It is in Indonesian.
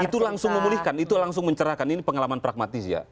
itu langsung memulihkan itu langsung mencerahkan ini pengalaman pragmatis ya